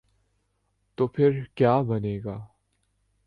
تو پھر کیابنے گا؟